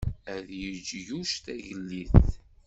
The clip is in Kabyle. Ad yeǧǧ Yuc Tagellidt.